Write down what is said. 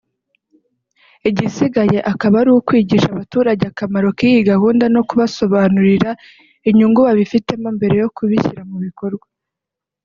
igisigaye akaba ari ukwigisha abaturage akamaro k’iyi gahunda no gusobanurira inyungu babifitemo mbere yo kubishyira mu bikorwa